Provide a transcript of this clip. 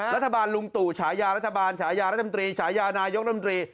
ลุงตู่ฉายารัฐบาลฉายารัฐมนตรีฉายานายกรัฐมนตรี